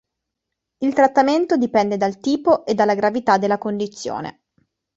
Il trattamento dipende dal tipo e dalla gravità della condizione.